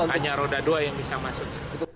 hanya roda dua yang bisa masuk